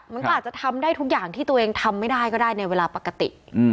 มันก็อาจจะทำได้ทุกอย่างที่ตัวเองทำไม่ได้ก็ได้ในเวลาปกติ